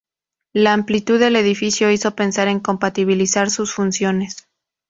La amplitud del edificio hizo pensar en compatibilizar sus funciones.